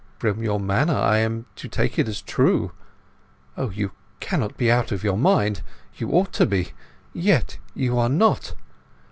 From your manner I am to take it as true. O you cannot be out of your mind! You ought to be! Yet you are not...